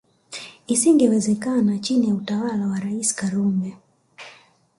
Isingewezekana chini ya utawala wa Rais Karume